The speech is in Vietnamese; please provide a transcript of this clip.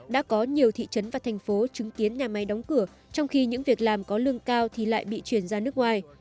đã có nhiều thị trấn và thành phố chứng kiến nhà máy đóng cửa trong khi những việc làm có lương cao thì lại bị chuyển ra nước ngoài